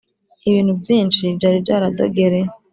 ibintubyinshi byari byaradogereye